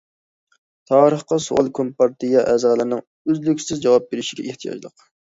تارىخقا سوئال كومپارتىيە ئەزالىرىنىڭ ئۈزلۈكسىز جاۋاب بېرىشىگە ئېھتىياجلىق.